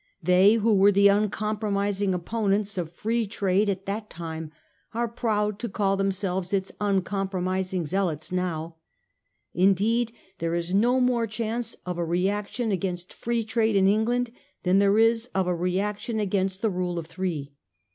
They who were the uncompromising opponents of Free Trade at that time are proud to call themselves its uncompromising zealots now. Indeed, there is no more chance of a reaction against Free Trade in England than there is of a reaction against the rule of three.